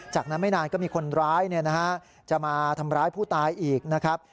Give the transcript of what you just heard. จากนั้นไม่นานก็มีคนร้ายจะมาทำร้ายผู้ตายอีกนะครับ